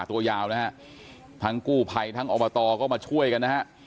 ตัวยาวนะฮะทั้งกู้ภัยทั้งอบตก็มาช่วยกันนะฮะ